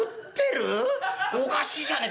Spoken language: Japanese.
おかしいじゃねえか。